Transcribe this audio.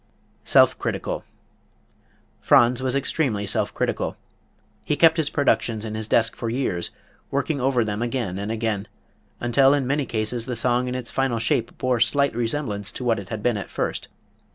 Self Critical. Franz was extremely self critical. He kept his productions in his desk for years, working over them again and again, until in many cases the song in its final shape bore slight resemblance to what it had been at first.